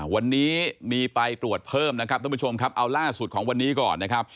วันนี้มีไปตรวจเพิ่มนะครับท่านผู้ชมครับเอาล่าสุดของวันนี้ก่อนนะครับ